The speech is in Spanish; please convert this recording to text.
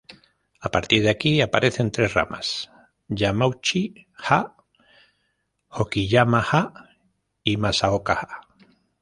A partir de aquí aparecen tres ramas: Yamauchi-ha, Hokiyama-ha y Masaoka-ha.